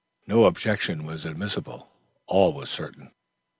No objection was admissible; all was certain.